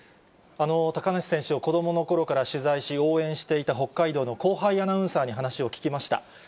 高梨選手を子どものころから取材し、応援していた北海道の後輩アナウンサーに話を聞きました。